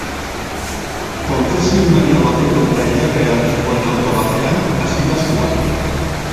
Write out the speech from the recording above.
Kontzesionario bateko tailerrean zegoen auto batean hasi da sua.